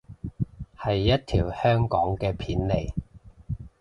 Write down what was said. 係一條香港嘅片嚟